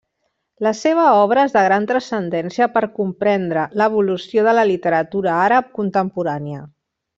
La seva obra és de gran transcendència per comprendre l'evolució de la literatura àrab contemporània.